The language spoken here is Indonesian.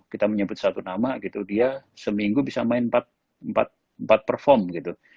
kita menyebut satu nama gitu dia seminggu bisa main empat perform gitu